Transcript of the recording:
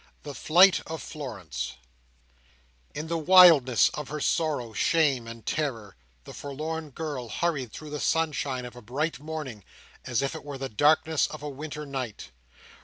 The Flight of Florence In the wildness of her sorrow, shame, and terror, the forlorn girl hurried through the sunshine of a bright morning, as if it were the darkness of a winter night.